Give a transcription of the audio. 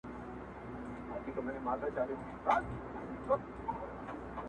ته د انصاف تمه لا څنګه لرې؟،